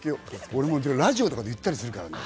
俺もラジオとかで言ったりするからね。